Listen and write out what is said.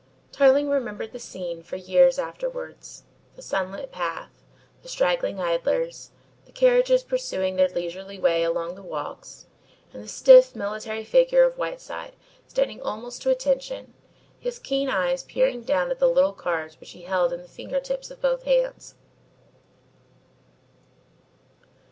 Tarling remembered the scene for years afterwards; the sunlit path, the straggling idlers, the carriages pursuing their leisurely way along the walks, and the stiff military figure of Whiteside standing almost to attention, his keen eyes peering down at the little cards which he held in the finger tips of both hands.